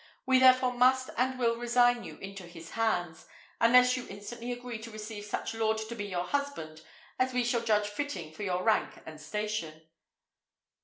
We therefore must and will resign you into his hands, unless you instantly agree to receive such lord to be your husband as we shall judge fitting for your rank and station."